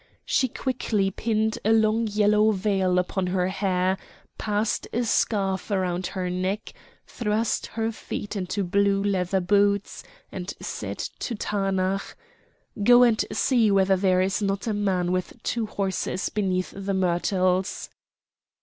She quickly pinned a long yellow veil upon her hair, passed a scarf around her neck, thrust her feet into blue leather boots, and said to Taanach: "Go and see whether there is not a man with two horses beneath the myrtles."